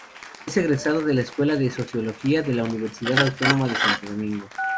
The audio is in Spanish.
Es egresado de la Escuela de Sociología de la Universidad Autónoma de Santo Domingo.